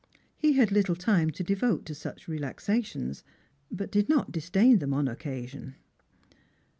He had little time to devote to such relaxations, but did not disdain them on occasion.